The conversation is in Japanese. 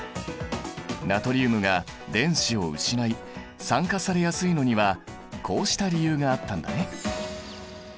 ナトリウムが電子を失い酸化されやすいのにはこうした理由があったんだね。